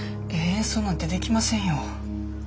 演奏なんてできませんよ。